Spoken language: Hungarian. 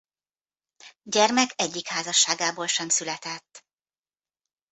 Gyermek egyik házasságából sem született.